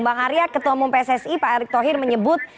bang arya ketua umum pssi pak erick thohir menyebut